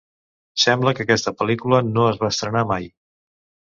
Sembla que aquesta pel·lícula no es va estrenar mai.